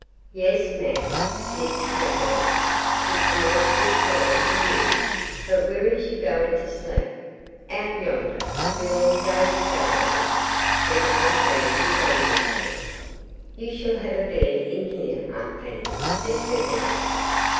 "Yas, ma'am, Miss yo' highness, hit's monstrous fine fo' yo', but whar is Ah goin' to sleep? Out yondah, wif all dose scalawags?" said Aunt Fanny, rebelliously. "You shall have a bed in here, Aunt Fanny," said Beverly.